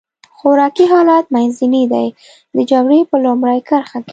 خوراکي حالت منځنی دی، د جګړې په لومړۍ کرښه کې.